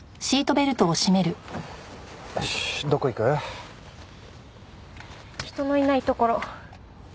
よしどこ行く？人のいない所。